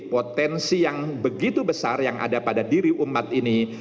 potensi yang begitu besar yang ada pada diri umat ini